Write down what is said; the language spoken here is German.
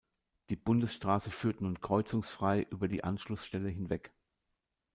Die Bundesstraße führt nun kreuzungsfrei über die Anschlussstelle hinweg.